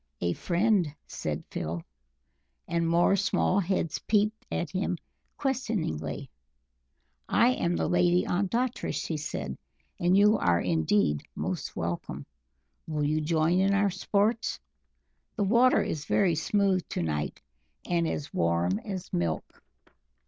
"A friend!" said Phil. And more small heads peeped at him questioningly. "I am the Lady Ondatra," she cried, "and you are indeed most welcome. Will you join in our sports? The water is very smooth to night, and as warm as milk."